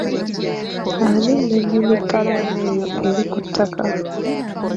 Ani nannyini kkalaamu eyo eri ku ttaka?